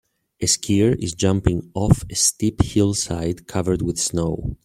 A skier is jumping off a steep hillside covered with snow.